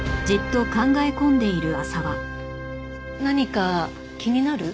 何か気になる？